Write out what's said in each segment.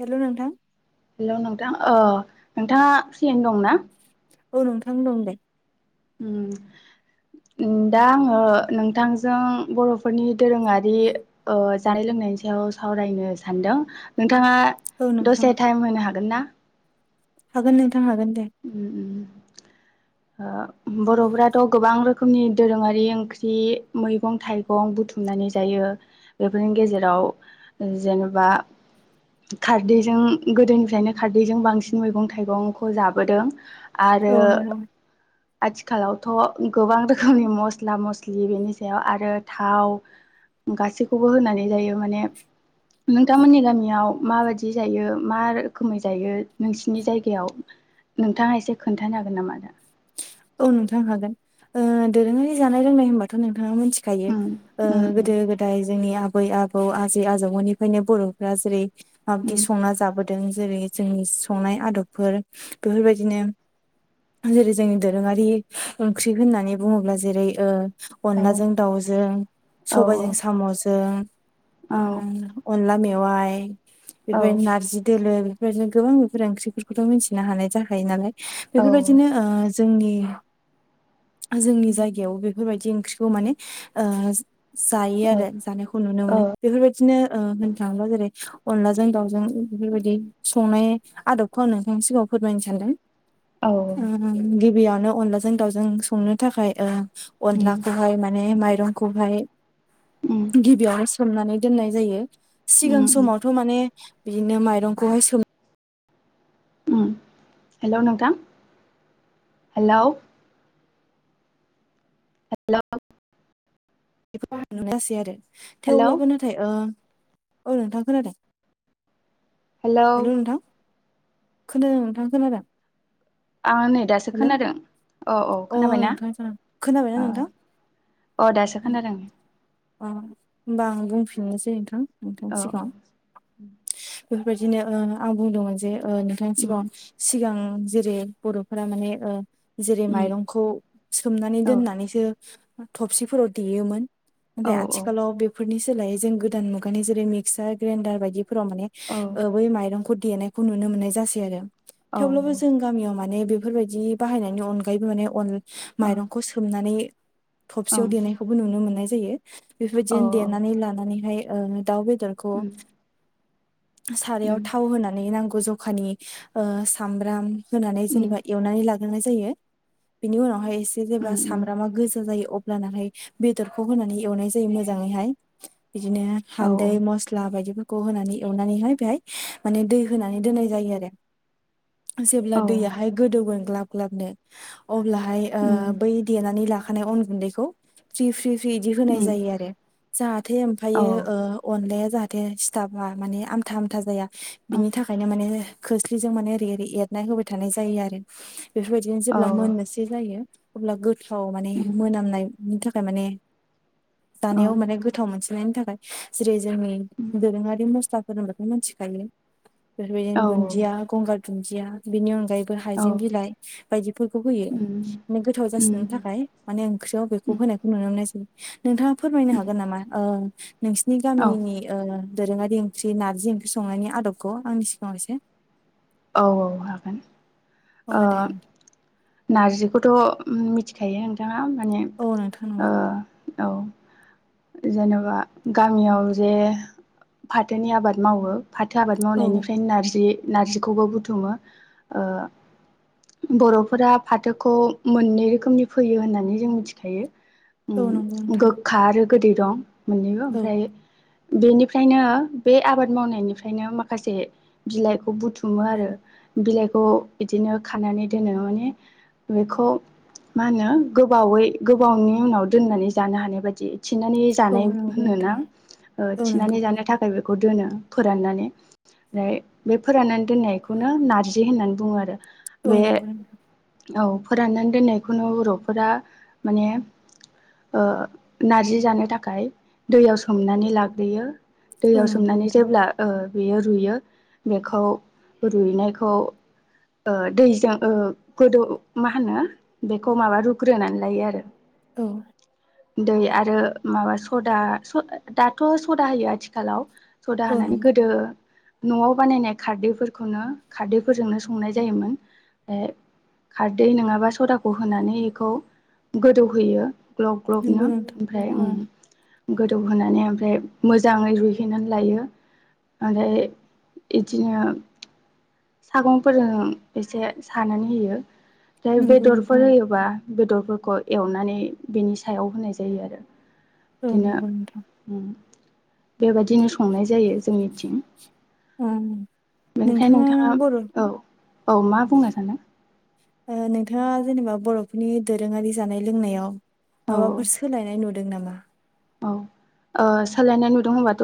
हेल' नोंथां हेलौ नोंथां ओ नोंथाङा फ्रियैनो दंना औ नोंथां दं दे उम दा आङो नोंथांजों बर'फोरनि दोरोङारि ओ जानाय लों नायनि सायाव सावरायनो सानदों नोंथाङा औ नोंथां दसे टाइम होनो हागोन ना हागोन नोंथां हागोन दे उम उम ओ बर'फोराथ' गोबां रोखोमनि दोरोङारि ओंख्रि मैगं थाइगं बु थुमनानै जायो बेफोरनि गेजेराव जेनेबा खारदैजों गोदोनिफ्रायनो खारदैजों बांसिन मैगं थाइगंखौ जाबोदों औ आरो नोंगौ [inaudible] आथिखालावथ' गोबां रोखोमनि मस्ला मस्लि बेनि सायाव आरो थाव गासैखौबो होनानै जायो माने नोंथांमोननि गामियाव माबायदि जायो मा रोखोमै जायो नोंसिनि जायगायाव नोंथाङा एसे खोन्थानो हागोन नामा दा औ नोंथां हागोन ओ दोरोङारि जानाय लोंनाय होनबाथ' नों थाङा मिथिखायो उम ओ उम गोदो गोदाय जोंनि आ बै आबौ आजै आजौमोननिफ्रायनो बर'फोरा जेरै माबादि उम संना जाबोदों जेरै जोंनि संनाय आदबफोर बेफोरबायदिनो जेरै जोंनि दोरोङारि ओंख्रि होननानै बुङोब्ला जेरै औ अनलाजों दाउजों औ सबायजों साम'जों औ अनला मेवाय बेनिफ्राय औ नारजि दोलो बेबायदिनो गोबां बेफोर ओंख्रिफोरखौथ' मिथिनो हानाय जाखायो नालाय बेफोरबायदिनो औ ओ जोंनि जोंनि जायगायाव बेफोरबायदि ओंख्रिखौ माने ओ जायो औ आरो जानायखौ नुनो मोनो औ बेफोरबायदिनो ओ होननो थाङोबा जेरै अनलाजों दाावजों बेबायदि संनाय आदबखौं आं नोंथांनि सिगाङाव फोरमायनो सानदों औ ओ गिबियावनो अनलाजों दाउजों संनो थाखाय ओ उम अनलाखौहाय माने माइरं खौहाय उम गिबियावहाय सोमनानै दोननाय जायो सिगां उम समावथ' माने बिदिनो माइरंखौहाय सोमो उम हेल' नोंथां हेल' हेल' बेखौ आं नुनाय जासै आरो हेलौ थेवब्लाबो नाथाय ओ औ नोंथां खोनादों हेल' खोनादों नोंथां खोनादों आं नै दासो हेल' अ खोनादों औ औ खोनाबायना नोंथां खोनाबायना औ नोंथां अ दासो खोनादों अ होमबा आं बुंफिननोसै नोंथां नोंथांनि औ औ सिगाङाव बेफोरबायदिनो ओ आं बुंदोंमोन जे ओ नोंथांनि उम सिगाङाव सिगां जेरै बर'फोरा माने जेरै उम माइरंखौ सोमनानै औ दोननानैसो थबसिफोराव देयोमोन औ नाथाय औ आथिखालाव बेफोरनि जों गोदान मुगानि जेरै मिसार ग्रेनडार बायदिफोराव माने औ बै माइरंखौ देनायखौ नुनो मोननाय जासै आरो औ थेवब्लाबो जों गामियाव माने बेफोरबायदि बाहायनायनि अनगायैबो माने अन माइरंखौ सोमनानै थबसियाव ओं देनायखौबो नुनो मोननाय जायो औ बेफोरबायदिनो देनानै लानानैहाय दाउ बे बेदरखौ उम सारायाव उम थाव होनानै नांगौ जखानि सामब्राम होनानै उम जेनेबा एवनानै लाग्रोनाय जायो बिनि उनावहाय जेब्ला उम उम सामब्रामा गोजा जायो अब्ला लानानैहाय बेदरखौ होनानै एवनाय जायो मोजाङैहाय बिदिनो औ हालदै मस्ला बायदि होनानै एवनानैहाय बेहाय माने दै होनानै दोननाय जायो आरो जेब्ला औ दैयाहाय गोदौगोन ग्लाब ग्लाबनो अब्लाहाय उम बै देनानै ला खानाय अन गुन्दैखौ फ्रि फ्रि बिदि होनाय उम जायो आरो जाहाथे औ ओमफ्रायै अनलाया जाहाथे बिजाब आ बा माने आमथा आमथा जाया बिनि थाखायनो माने खोस्लिजों माने ओरै ओरै एरनाय होबाय थानाय जायो आरो बेफोर बायदिनो औ जेब्ला मोननोसै जायो अब्ला गोथाव माने उम मोनामनायनि थाखाय माने जानायाव ओं माने गोथाव मोनसिननायनि थाखाय जेरै जोंनि उम दोरोङारि मस्लाफोर होनबाथ' मिथिखायो बेफोर औ बायदिनो दुन्दिया गंगार दुन्दिया बिनि अनगायैबो औ हाइजें बिलाइ बायदिफोरखौ होयो उम माने गोथाव उम जासिनो थाखाय माने ओंख्रिरियाव नुनोमोननासै नोंथाङा फोरमायनो उम हागोन नामा नोंसोरनि औ गामिनि ओ दोरोङारि ओंख्रि नारजि ओंख्रि संनायनि आदबखौ आंनि सिगाङाव एसे औ औ हागोन अ ओ दे नारजिखौथ' मिथिखायो नोंथाङा माने औ नोंथां ओ नंगौ औ जेनेबा गामियाव जे फाथोनि आबाद मावो फाथो आबाद औ मावनायनिफ्रायनो नारजि नारजिखौबो बुथुमो बर'फोरा फाथोखौ मोननै रोखोमनि फैयो होननानै जों मिथिखायो औ नंगौ नोंथां गोखा आरो गोदै दं मोननैबो औ ओमफ्राय बेनिफ्रायनो बे आबाद मावनायनिफ्रायनो माखासे बिलाइखौ बुथुम खुमो आरो बिलाइखौ बिदिनो खानानै दोनो माने बेखौ मा होनो गोबावै गोबावनि उनाव दोननानै जानो हानाय बायदि थिन्नानै औ जानाय नंगौ होनोना नोंथां औ थिनानै नंगौ जानो थाखायबो बेखौ दोनो फोराननानै ओमफ्राय बे फोराननानै दोननायखौनो नारजि होननानै बुङो आरो औ बे नंगौ नंगौ औ फोराननानै दोननायखौनो बर'फोरा माने ओ नारजि जानो थाखाय दैयाव सोमनानै लाग्रोयो औ दैयाव नंगौ सोमनानै नोंथां जेब्ला बेयो रुयो बेखौ रुइनायखौ दैजों गोदौ मा होनो बेखौ माबा रुग्रोनानै लायो आरो त दै आरो माबा सदा दाथ' सदा होयो आथिखालाव सदा होनानानै गोदो न'आव बानायनाय खारदैफोर नो खारदैफोरजोंनो संनाय जायोमोन खारदै नङाबा सदाखौ होनानै बेखौ गोदौहोयो ग्लब ग्लबनो नंगौ नंगौ नोंथां ओमफ्राय औ ओ गोदौहोनानै ओमफ्राय मोजाङै रुहैनानै लायो आरो इदिनो सागंफोरजों एसे सानानै होयो। बेहाय नंगौ बेदरफोर नोंथां होयोबा बेदरफोरखौ एवनानै बेनि सायाव होनाय जायो आरो। औ बिदिनो नंगौ नोंथां बेबायदिनो संनाय जायो जोंनिथिं। ओम। बेनिफ्रायाय नोंथाङा औ औ मा बुंनो सानो? ओ नोंथाङा जेनेबा बर'फोरनि दोरोङारि जानाय लोंनायाव औ माबाफोर सोलायनाय नु दों नामा? औ। ओ सोलायनाय नुदों होनबाथ'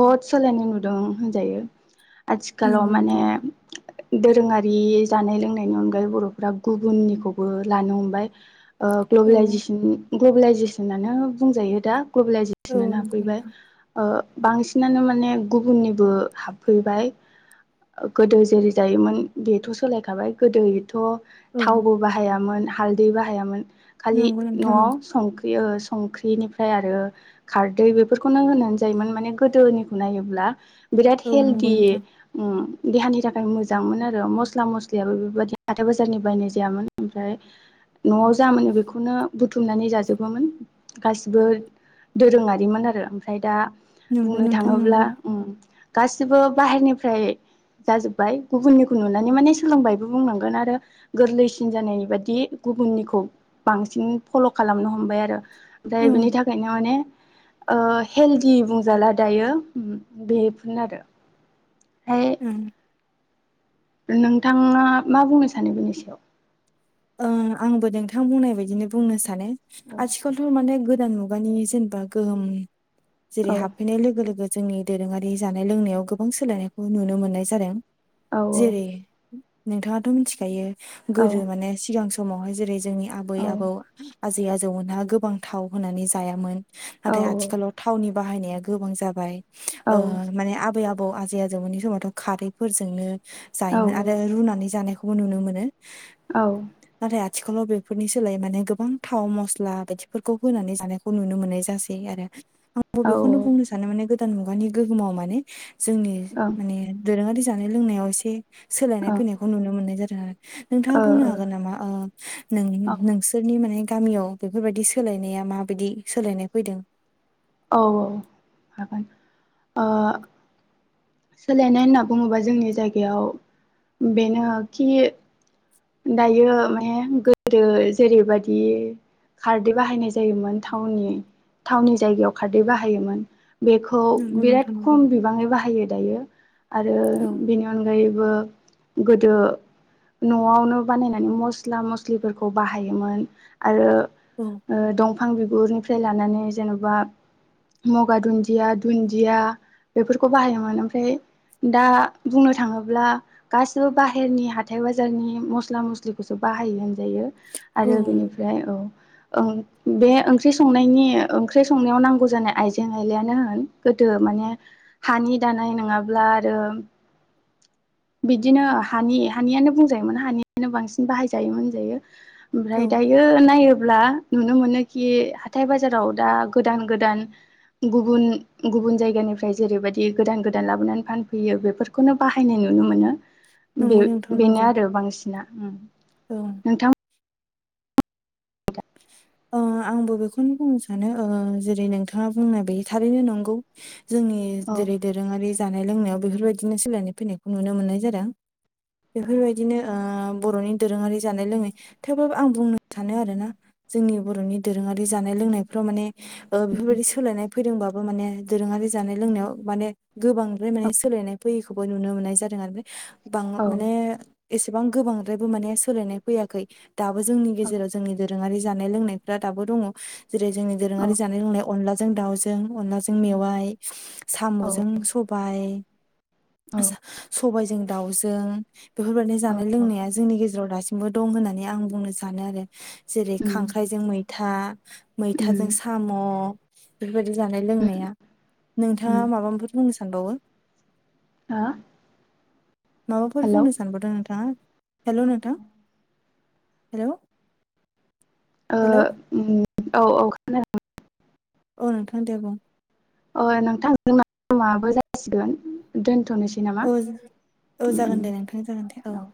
बहुत सोलायनाय नुदों होनजायो। आथिखालाव नंगौ माने नोंथां दोरोङारि जानाय लोंनायनि अनगायै बर'फ्रा गुबुननिखौबो लानो हमबाय। ओ औ ग्लबेलाइजेसन ग्लबेलाइजेसनानो बुंजायो दा। औ ग्लबेलाइजेसनानो नंगौ हाबफैबाय नोंथां ओ बांसिनानो माने गुबुननिबो हाबफैबाय गोदो जेरै जायोमोन बेथ' सोलायखाबाय। गोदो थ' औ थावबो बाहायोन हालदै बाहायामोन, खालि नंगौ नोंथां न'आव नंगौ सं ख्रि संख्रिनि ओमफ्राय आरो खारदै बेफोरखौनो होना जायोमोन माने गोदोनिखौ नायोब्ला बिराद औ नंगौ हेल्टी नोंथां ओम देहानि थाखाय मोजांमोन आरो मस्ला मस्लियाबो बेबायदि हाथाय बाजारनि बायनाय जायामोन। ओमफ्राय न'आव जा मोनो बेखौनो बुथुमनानै जाजोबोमोन गासै बो दोरोङारिमोन आरो। ओमफ्राय दा नंगौ बुंनो नोंथां थाङोब्ला नंगौ ओम गासिबो बाहेरनिफ्राय जाजोब्बाय, गुबुननिखौ नुनानै माने सोलोंबायबो बुंनांगोन आरो गोरलैसिन जानायनि बादि गुबुननिखौ बांसिन फल' खालामनो हमबाय आरो ओमफ्राय बिनि ओं थाखायनो माने ओ हेल्टी बुंजाला दायो ओ बेफोरनो आरो। ओं [unintelligible] नोंथाङा मा बुंनो सानो बेनि सायाव? ओं आंबो नोंथां बुंनाय बायदिनो बुंनो सानो आथिखालथ' माने गो दान मुगानि जेनेबा गोहोम औ जेरै हाबफैनाय लोगो लोगो जोंनि दोरोङारि जानाय लोंनायाव गोबां सोलायनायखौ नुनो मोननाय जादों। औ औ। जेरै नोंथाङाथ' मिथिखायो औ गोदो माने सिगां समावहाय जेरै जोंनि आबै औ आबौ आजै आजौमोनहा गोबां थाव होनानै जायामोन नाथाय औ औ आथिखालाव थावनि बाहायनाया गोबां जाबाय औ ओ माने आबै आबौ आजै आजौमोननि समावथ' खारैफोरजोंनो औ जायोमोन आरो रुनानै जानायखौ बो नुनो मोनो। औ। नाथाय आथिखालाव बेफोरनि सोलाय माने गोबां थाव मस्ला बायदिफोरखौ होनानै जानायखौ नुनो मोननाय जासै आरो। [unintelligible] आंबो औ बेखौनो ओं बुंनो सानो माने गोदान मुगानि गोहोमाव माने जोंनि ओं माने दोरोङारि जानाय लोंनायाव एसे सोलायनाय ओ फैनायखौ नुनो मोननाय जादों आरो नोंथाङा बुंनो ओ हागोन नामा ओ नों औ नोंसोरनि माने गामियाव बेफोरबायदि सोलायनाया माबायदि सोलायनाय फैदों? औ औ हागोन। ओ सोलायनाय होनना बुङोबा जोंनि जायगायाव बेनोखि दायो माने गोदो जेरैबायदि खारदै बाहायनाय जायोमोन थावनि थावनि जायगायाव खारदै बाहायोमोन। बेखौ नंगौ बिराद नोंथां नंगौ खम बिबाङै बाहायो दायो आरो औ बेनि अनगायैबो गोदो न न'आवनो बानायनानै मस्ला मस्लिफोरखौ बाहायोमोन आरो औ ओ दंफ फां बिगुरनिफ्राय लानानै जेन'बा मगा दुन्दिया दुन्दिया बेफोरखौ बाहायोमोन ओमफ्राय दा बुंनो थाङोब्ला गासिबो बाहेरनि हाथाय बाज जारनि मस्ला मस्लिखौसो बाहायो होनजायो औ आरो बेनिफ्राय औ ओ बे ओंख्रि संनायनि ओंख्रि संनायाव नांगौ जानाय आइजें आइलायानो ओ गोदो माने हानि दानाय नङाब्ला आरो बिदिनो हानि हानियानो बुं जायोमोन हानियानो बांसिन बाहायजायोमोन होनजायो। ओमफ्राय औ दायो नायो ब्ला नुनो मोनो कि हाथाय बाजाराव दा गोदान- गोदान गुबुन-गुबुन जायगानिफ्राय जेरैबायदि गोदान-गोदान लाबोनानै फानफैयो बेफोरखौनो बाहायनाय नु नुनो मोनो। नंगौ नोंथा' नंगौ गोबांसिना ओम औ [inaudible] ओ आंबो बेखौनो बुंनो सानो ओ जेरै नोंथाङा बुंनाय बे थारैनो नंगौ। जोंनि औ जेरै दोरोङारि जानाय लोंनायाव बेफोरबायदिनो सोलायनाय फैनायखौ नुनो मोननाय जादों। बेफोरबायदिनो ओ बर'नि दोरोङारि जानाय लोनाय थेवब्लाबो आं बुंनो सानो आरोना जोंनि बर'नि दोरोङारि जानाय-लोंनायफ्राव माने ओ बेफोरबायदि सोलायनाय फैदोंबाबो माने दोरो ङारि जानाय- लोंनायाव माने गोबांद्राय माने सोलायनाय फैयैखौबो नुनो मोननाय जादों आरोने। गोबां औ माने एसेबां गोबांद्रायबो माने सोलायनाय फैयाखै। दाबो जोंनि गेजेराव जोंनि दोरोङारि जानाय लोंनायफ्रा दाबो दङ। जेरै जोंनि औ दोरोङारि जानाय लोंनाय अनलाजों दाउजों, अनलाजों मेवाइ, औ साम'जों सब बाय, औ सबायजों दाउजों बेफोरबायदि औ औ जानाय-लोंनाया जोंनि गेजेराव दासिमबो दं होननानै आं बुंनो सानो आरो। जेरै उम खांख्राइजों मैथा, मैथाजों उम साम', बेबादि उम जानाय-लोंनाया नोंथाङा उम माबाफोर बुंनो सानबावो? हा माबाफोर हेलौ बुंनो सानबावदों नोंथाङा? हेलौ नोंथां हेलौ ओ ओम औ औ खोना औ नोंथां दे बुं अ नोंथां जोंना टाइमाबो जासिगोन दोन थ'नोसै नामा? औ औ ओम जागोन ओम दे नोंथां जागोन दे औ